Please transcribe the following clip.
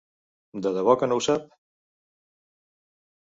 De debò que no ho sap?